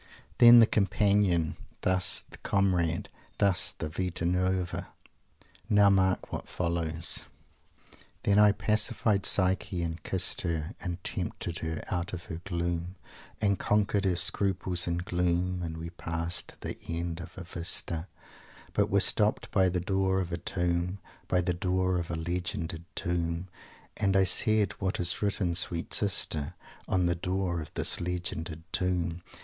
'" Thus the Companion; thus the Comrade; thus the "Vita Nuova"! Now mark what follows: "Then I pacified Psyche and kissed her, And tempted her out of her gloom. And conquered her scruples and gloom. And we passed to the end of a Vista, But were stopped by the door of a Tomb. By the door of a Legended Tomb, And I said: 'What is written, sweet sister, On the door of this legended Tomb?'